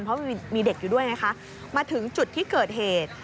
เพราะมันมีเด็กอยู่ด้วยไงคะมาถึงจุดที่เกิดเหตุ